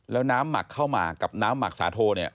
แล้วน้ำหมักข้าวหมากกับน้ำหมักสาโทเนี่ย